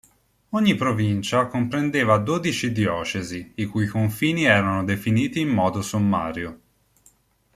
Ogni provincia comprendeva dodici diocesi, i cui confini erano definiti in modo sommario.